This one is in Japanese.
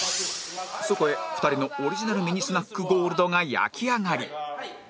そこへ２人のオリジナルミニスナックゴールドが焼き上がり